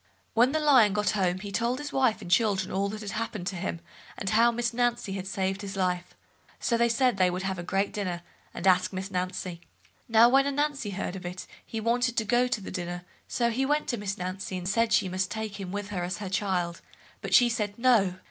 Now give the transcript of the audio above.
When Lion got home he told his wife and children all that happened to him, and how Miss Nancy had saved his life, so they said they would have a great dinner, and ask Miss Nancy. Now when Ananzi heard of it, he wanted to go to the dinner, so he went to Miss Nancy, and said she must take him with her as her child, but she said "No".